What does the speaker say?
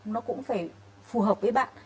nó cũng phải phù hợp với bạn